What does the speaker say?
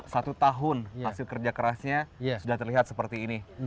satu tahun hasil kerja kerasnya sudah terlihat seperti ini